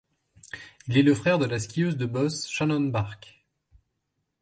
Il est le frère de la skieuse de bosses Shannon Bahrke.